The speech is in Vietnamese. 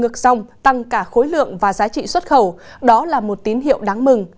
ngược dòng tăng cả khối lượng và giá trị xuất khẩu đó là một tín hiệu đáng mừng